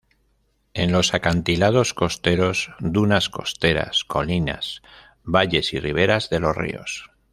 En los acantilados costeros, dunas costeras, colinas, valles y riberas de los ríos.